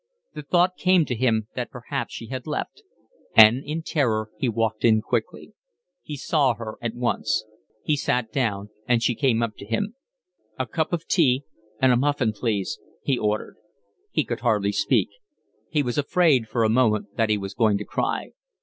The thought came to him that perhaps she had left, and in terror he walked in quickly. He saw her at once. He sat down and she came up to him. "A cup of tea and a muffin, please," he ordered. He could hardly speak. He was afraid for a moment that he was going to cry.